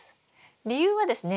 理由はですね